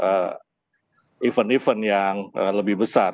ya itu bisa jadi event event yang lebih besar